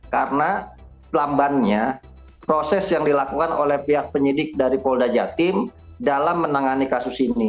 karena lambannya proses yang dilakukan oleh pihak penyidik dari polda jatim dalam menangani kasus ini